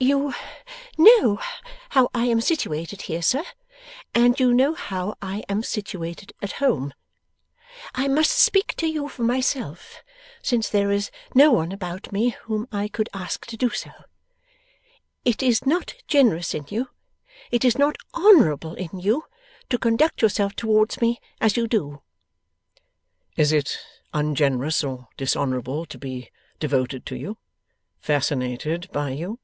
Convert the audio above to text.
'You know how I am situated here, sir, and you know how I am situated at home. I must speak to you for myself, since there is no one about me whom I could ask to do so. It is not generous in you, it is not honourable in you, to conduct yourself towards me as you do.' 'Is it ungenerous or dishonourable to be devoted to you; fascinated by you?